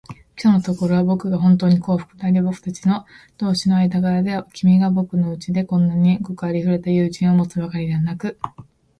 きょうのところは、ぼくがほんとうに幸福であり、ぼくたち同士の間柄では、君がぼくのうちに今ではごくありふれた友人を持つばかりでなく、